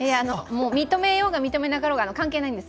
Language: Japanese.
認めようが認めなかろうが関係ないんです。